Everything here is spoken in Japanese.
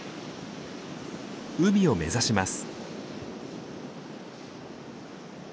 海を目指します。